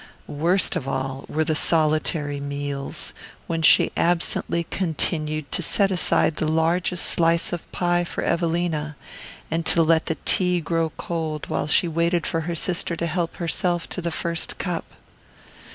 Worst of all were the solitary meals, when she absently continued to set aside the largest slice of pie for Evelina, and to let the tea grow cold while she waited for her sister to help herself to the first cup.